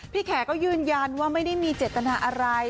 แขกก็ยืนยันว่าไม่ได้มีเจตนาอะไร